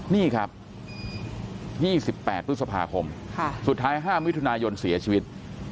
นี่ครับ๒๘พฤษภาคมสุดท้าย๕มิถุนายนเสียชีวิต